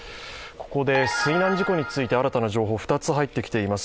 ここで水難事故について新たな情報が２つ入ってきています